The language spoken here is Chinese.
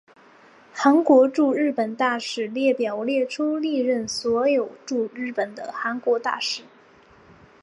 韩国驻日本大使列表列出历任所有驻日本的韩国大使。